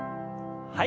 はい。